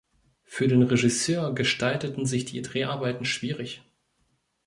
Für den Regisseur gestalteten sich die Dreharbeiten schwierig.